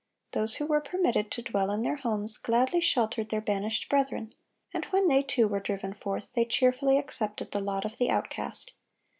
Those who were permitted to dwell in their homes, gladly sheltered their banished brethren; and when they too were driven forth, they cheerfully accepted the lot of the outcast.